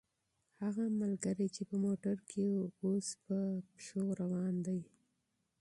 هغه ملګری چې په موټر کې و، اوس په پیاده روان دی.